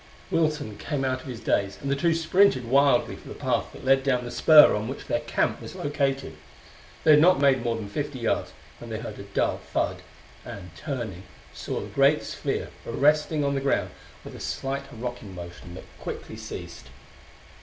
Wilson came out of his daze and the two sprinted wildly for the path that led down the spur on which their camp was located. They had not made more than fifty yards when they heard a dull thud, and, turning, saw the great sphere resting on the ground with a slight rocking motion that quickly ceased.